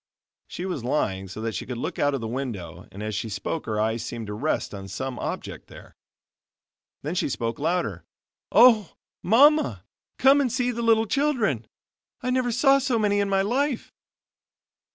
She was lying so that she could look out of the window and as she spoke her eyes seemed to rest on some object there. Then she spoke louder; "OH, MAMMA, COME AND SEE THE LITTLE CHILDREN! I never saw so many in my life."